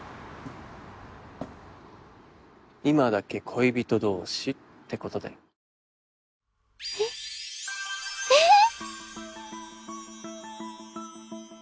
今だけ恋人同士ってことでえっええっ！？